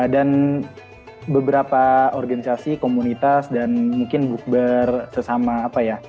dan beberapa organisasi komunitas dan mungkin bukber sesama apa ya